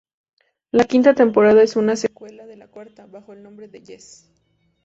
La quinta temporada es una secuela de la cuarta, bajo el nombre de Yes!